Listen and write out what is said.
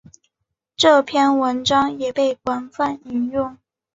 这篇文章也被广泛引用。